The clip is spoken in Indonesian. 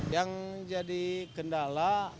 yang jadi kendala